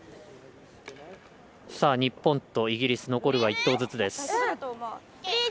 日本とイギリス残るは１投ずつです。